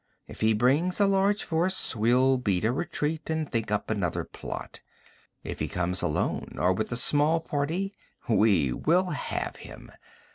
If he brings a large force, we'll beat a retreat and think up another plot. If he comes alone or with a small party, we will have him.